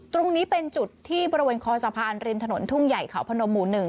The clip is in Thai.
ตรงนี้เป็นจุดที่บริเวณคอสะพานริมถนนทุ่งใหญ่เขาพนมหมู่๑